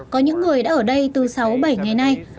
có những người đã ở đây từ sáu bảy ngày nay